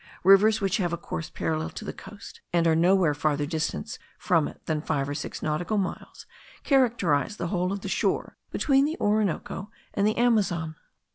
Rivers which have a course parallel to the coast, and are nowhere farther distant from it than five or six nautical miles, characterize the whole of the shore between the Orinoco and the Amazon.